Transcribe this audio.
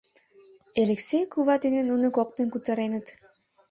Элексей кува дене нуно коктын кутыреныт.